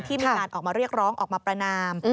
ที่มีการออกมาเรียกร้องออกมาประนาม